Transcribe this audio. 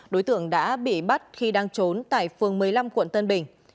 đối tượng đã bị bắt khi đang trốn tại phường một mươi năm quận tân bình